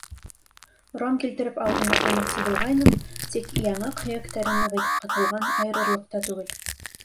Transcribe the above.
Ром килтереп ауыҙына ҡоймаҡсы булғайным, тик яңаҡ һөйәктәре ныҡ итеп ҡыҫылған, айырырлыҡ та түгел.